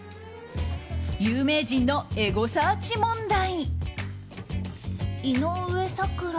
有名人のエゴサーチ問題。